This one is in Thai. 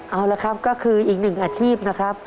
เอาละครับก็คืออีกหนึ่งอาชีพนะครับ